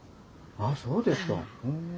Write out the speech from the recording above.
ああそうですか。